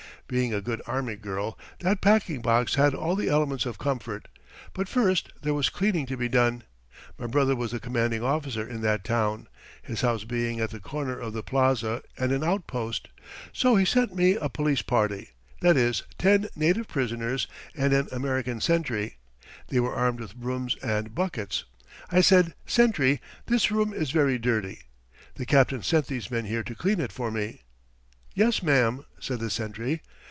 Being a good army girl, that packing box had all the elements of comfort, but first there was cleaning to be done. My brother was the commanding officer in that town, his house being at the corner of the Plaza, and an outpost. So he sent me a police party that is, ten native prisoners and an American sentry; they were armed with brooms and buckets. I said, 'Sentry, this room is very dirty. The Captain sent these men here to clean it for me.' 'Yes, mam,' said the sentry.